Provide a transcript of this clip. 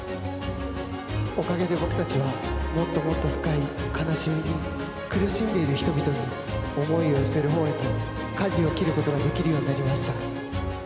おかげで僕たちはもっともっと深い悲しみに苦しんでいる人々に思いを寄せるほうへとかじを切ることができるようになりました。